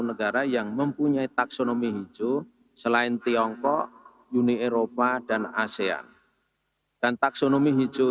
negara yang mempunyai taksonomi hijau selain tiongkok uni eropa dan asean dan taksonomi hijau